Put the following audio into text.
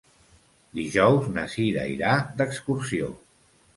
Dijous na Cira irà d'excursió.